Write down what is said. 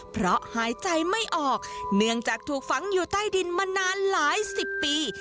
เพราะหายใจไม่ออกเนื่องจากถูกฝังอยู่ใต้ดินมานานหลายสิบปี